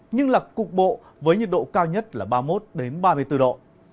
nhưng là cục bộ với nhiệt độ cao nhất là ba mươi một ba mươi bốn độ